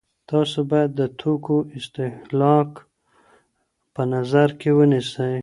تاسو باید د توکو استهلاک په نظر کي ونیسئ.